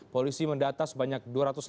polisi mendata sebanyak dua ratus lima puluh